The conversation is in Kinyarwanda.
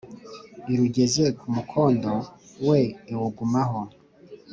Irugeze ku mukondo we iwugumaho